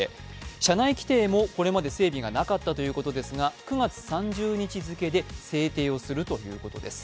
社内規定もこれまで整備がなかったということですが、９月３０日付けで制定をするということです。